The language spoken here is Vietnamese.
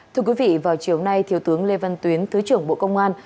thưa quý vị vào chiều nay thiếu tướng lê văn tuyến thứ trưởng bộ công an